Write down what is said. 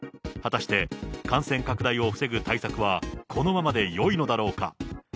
果たして、感染拡大を防ぐ対策はこのままでよいのだろうか。